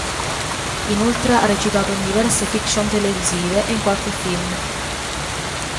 Inoltre ha recitato in diverse fiction televisive e in qualche film.